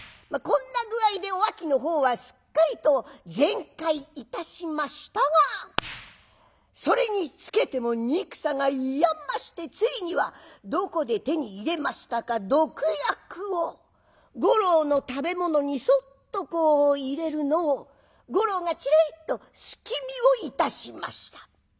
こんな具合でおあきの方はすっかりと全快いたしましたがそれにつけても憎さがいや増してついにはどこで手に入れましたか毒薬を五郎の食べ物にそっとこう入れるのを五郎がちらりと透き見をいたしました。